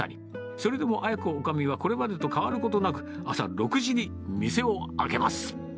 それでもあや子おかみは、これまでと変わることなく、朝６時に店を開けます。